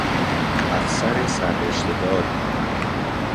افسر سررشته داری